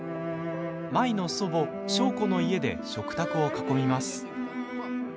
舞の祖母・祥子の家で食卓を囲みます。